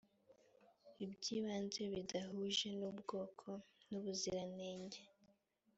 ibyibanze bidahuje n’ ubwoko n’ubuziranenge.